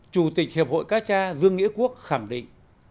chủ tịch hiệp hội cá cha dương nghĩa quốc khẳng định